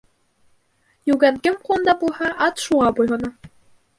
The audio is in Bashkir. Йүгән кем ҡулында булһа, ат шуға буйһона.